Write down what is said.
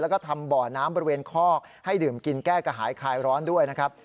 แล้วก็ทำบ่อน้ำบริเวณคอกให้ดื่มกินแก้กระหายคลายร้อนด้วยนะครับ